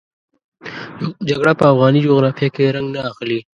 جګړه په افغاني جغرافیه کې رنګ نه اخلي.